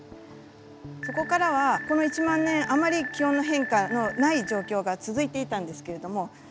そこからはこの１万年あまり気温の変化のない状況が続いていたんですけれども。